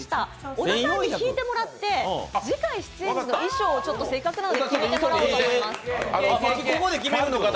小田さんに引いてもらって、次回出演時の衣装をせっかくなので引いてもらおうと思います。